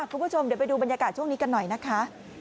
คุณผู้ชมเดี๋ยวไปดูบรรยากาศช่วงนี้กันหน่อยนะคะ